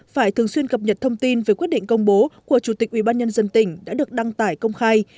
phải thường xuyên cập nhật thông tin về quyết định công bố của chủ tịch ủy ban nhân dân tỉnh đã được đăng tải công khai